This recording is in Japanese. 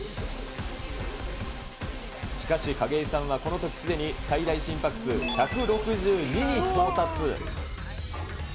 しかし、景井さんはこのときすでに、最大心拍数１６２に到達。